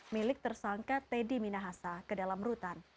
milik tersangka teddy minahasa ke dalam rutan